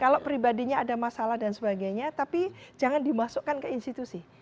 kalau pribadinya ada masalah dan sebagainya tapi jangan dimasukkan ke institusi